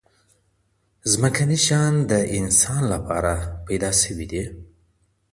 ځمکني شیان د انسان لپاره پیدا سوي دي.